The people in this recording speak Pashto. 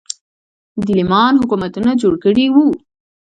دیلمیان حکومتونه جوړ کړي وو